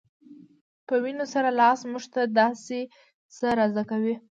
په وينو سور لاس موږ ته داسې څه را زده کوي